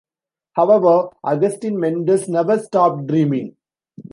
However, Agustin Mendez never stopped dreaming.